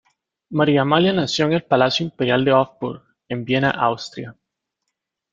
María Amalia nació en el Palacio Imperial de Hofburg en Viena, Austria.